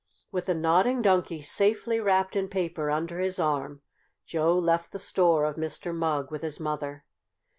With the Nodding Donkey safely wrapped in paper under his arm, Joe left the store of Mr. Mugg with his mother.